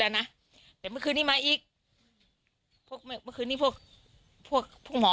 ละน่ะแต่เมื่อคืนนี่มาอีกเมื่อคืนนี่พวกมอท่านอ่า